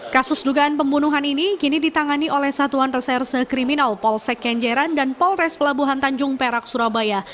kasus dugaan pembunuhan ini kini ditangani oleh satuan reserse kriminal polsek kenjeran dan polres pelabuhan tanjung perak surabaya